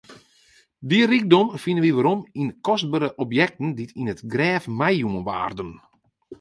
Dy rykdom fine wy werom yn kostbere objekten dy't yn it grêf meijûn waarden.